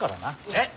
えっ！？